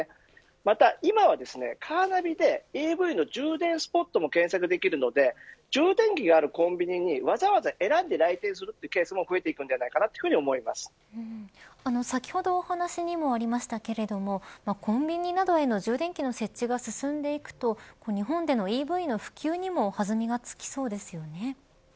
また今は、カーナビでＥＶの充電スポットも検索できるので充電器があるコンビニにわざわざ選んで来店するケースも増えていくのではないか先ほどお話にもありましたけれどもコンビニなどへの充電器の設置が進んでいくと日本でのＥＶの普及にもそうですね。